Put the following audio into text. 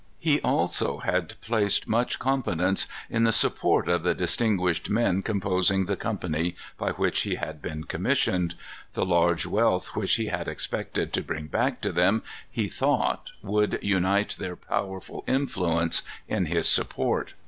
He also had placed much confidence in the support of the distinguished men composing the company by which he had been commissioned. The large wealth which he had expected to bring back to them, he thought, would unite their powerful influence in his support.